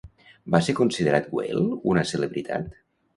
Va ser considerat Whale una celebritat?